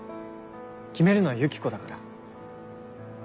決めるのはユキコだから。